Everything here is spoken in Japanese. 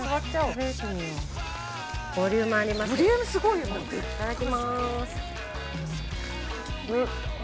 ◆いただきます。